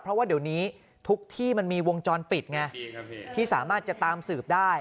เพราะว่าเดี๋ยวนี้ทุกที่มันมีวงจรปิดไงที่สามารถจะตามสืบได้